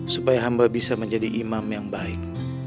supaya hamba bisa menjadi imam yang baik